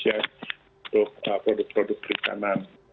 kekasihnya adalah untuk produk produk perikanan